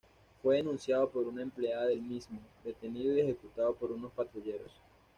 Fue denunciado por una empleada del mismo, detenido y ejecutado por unos patrulleros.